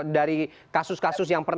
dari kasus kasus yang